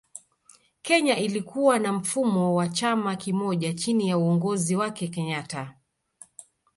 Kenya ilikuwa na mfumo wa chama kimoja chini ya uongozi wake kenyatta